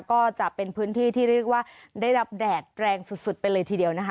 ก็จะเป็นพื้นที่ที่เรียกว่าได้รับแดดแรงสุดไปเลยทีเดียวนะคะ